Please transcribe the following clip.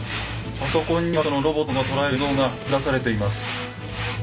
パソコンにはそのロボットの捉える映像が映し出されています。